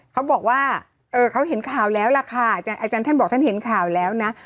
เขาบอกว่าเขาเห็นข่าวแล้วล่ะค่ะอาจารย์ท่านบอกท่านเห็นข่าวแล้วนะ